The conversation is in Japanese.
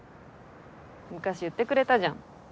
昔言ってくれたじゃん。